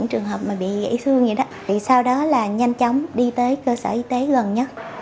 trường hợp mà bị thương vậy đó thì sau đó là nhanh chóng đi tới cơ sở y tế gần nhất